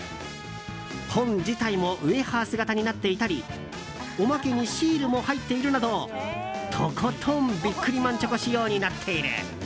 本自体もウエハース形になっていたりおまけにシールも入っているなどとことんビックリマンチョコ仕様になっている。